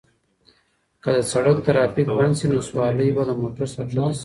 که د سړک ترافیک بند شي نو سوارلۍ به له موټر څخه کښته شي.